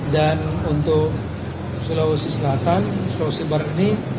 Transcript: dan untuk sulawesi selatan sulawesi barat ini